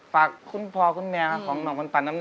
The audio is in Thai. ลูกเนี่ยต้องได้พ่อมา